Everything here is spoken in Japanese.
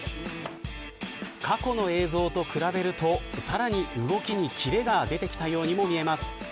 過去の映像と比べるとさらに動きにキレが出てきたように見えます。